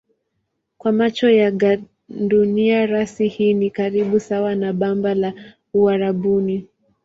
Kwa macho ya gandunia rasi hii ni karibu sawa na bamba la Uarabuni.